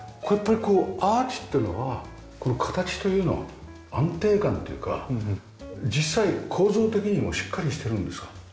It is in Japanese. これやっぱりこうアーチってのはこの形というのは安定感というか実際構造的にもしっかりしてるんですか？